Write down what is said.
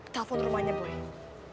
telpon rumahnya boy